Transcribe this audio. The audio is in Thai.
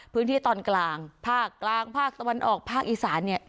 พื้นที่ตอนกลางภาคกลางภาคตะวันออกภาคอีสานเนี่ย